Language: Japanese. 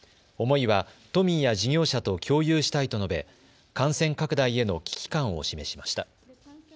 思いは、都民や事業者と共有したいと述べ感染拡大への危機感を示しました。